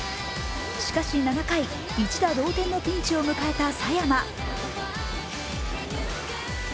しかし、７回一打同点のピンチを迎えた佐山。